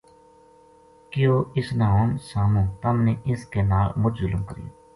کہیو اس نا ہن ساموں تم نے اس کے نال مُچ ظلم کریو